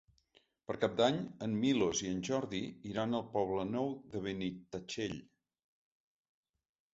Per Cap d'Any en Milos i en Jordi iran al Poble Nou de Benitatxell.